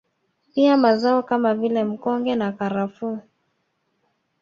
Pia mazao kama vile mkonge na karafuu